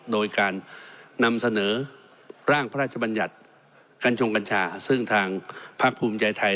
โดยการนำเสนอร่างพระราชบัญญัติกัญชงกัญชาซึ่งทางภาคภูมิใจไทย